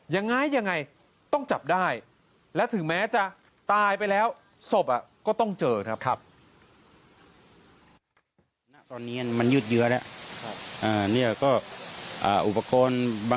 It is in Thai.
ยังไงยังไงต้องจับได้และถึงแม้จะตายไปแล้วศพก็ต้องเจอครับ